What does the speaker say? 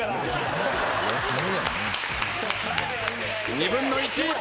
２分の１。